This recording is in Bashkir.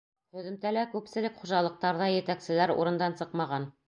Һөҙөмтәлә күпселек хужалыҡтарҙа етәкселәр урындан сыҡмаған.